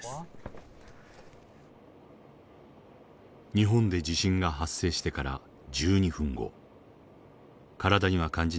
日本で地震が発生してから１２分後体には感じない